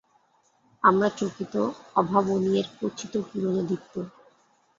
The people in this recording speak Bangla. আমরা চকিত অভাবনীয়ের ক্কচিৎ-কিরণে দীপ্ত।